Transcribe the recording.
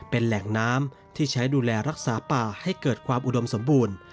เป็นแหล่งน้ำที่ใช้ดูแลรักษาป่าให้เกิดความอุดมสมบูรณ์